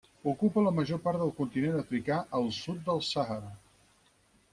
Ocupa la major part del continent africà al sud del Sàhara.